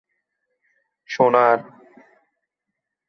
এটি সরকারীভাবে একটি ঐতিহাসিক স্মৃতিস্তম্ভ হিসেবে স্বীকৃত।